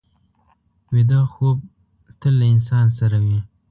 ویده خوب تل له انسان سره وي